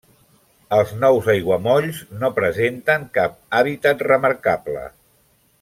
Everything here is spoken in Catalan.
Els nous aiguamolls no presenten cap hàbitat remarcable.